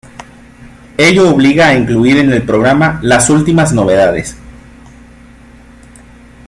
Ello obliga a incluir en el programa las últimas novedades.